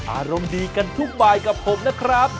อารมณ์ดีกันทุกบายกับผมนะครับ